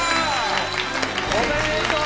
おめでとう！